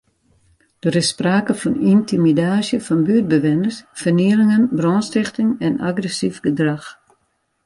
Der is sprake fan yntimidaasje fan buertbewenners, fernielingen, brânstichting en agressyf gedrach.